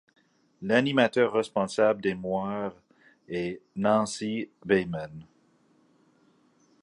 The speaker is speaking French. L'animateur responsable des Moires est Nancy Beiman.